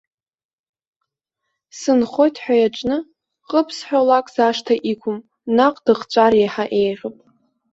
Сынхоит ҳәа иаҿны, ҟыԥ зҳәо лак зашҭа иқәым, наҟ дыхҵәар еиҳа еиӷьуп.